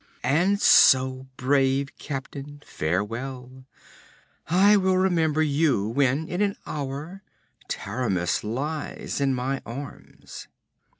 'And so, brave captain, farewell! I will remember you when, in an hour, Taramis lies in my arms.'